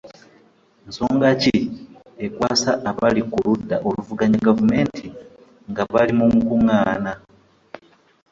Nsonga ki ekwaasa abali ku ludda oluvuganya gavumenti nga bali mu nkungaana?